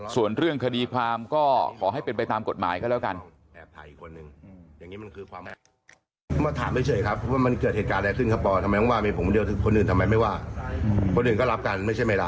ส่วนเรื่องคดีความก็ขอให้เป็นไปตามกฎหมายก็แล้วกัน